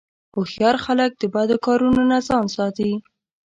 هوښیار خلک د بدو کارونو نه ځان ساتي.